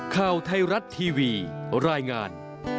ข่าวไทยรัฐทีวีรายงาน